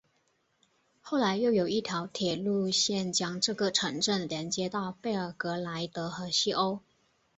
后来又有一条铁路线将这个城镇连接到贝尔格莱德和西欧。